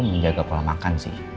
menjaga pola makan sih